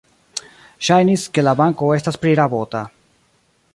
Ŝajnis, ke la banko estas prirabota.